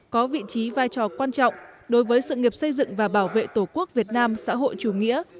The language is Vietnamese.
có vị trí vai trò quan trọng đối với sự nghiệp xây dựng và bảo vệ tổ quốc việt nam xã hội chủ nghĩa